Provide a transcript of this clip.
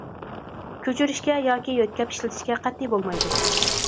كۆچۈرۈشكە ياكى يۆتكەپ ئىشلىتىشكە قەتئىي بولمايدۇ!